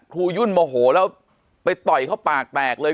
ยุ่นโมโหแล้วไปต่อยเขาปากแตกเลย